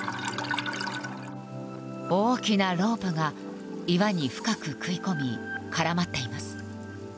大きなロープが岩に深く食い込み絡まっています。